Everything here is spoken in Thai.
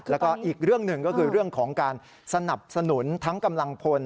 แล้วก็อีกเรื่องหนึ่งก็คือเรื่องของการสนับสนุนทั้งกำลังพล